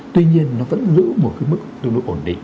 tuy nhiên nó vẫn giữ một cái mức tương đối ổn định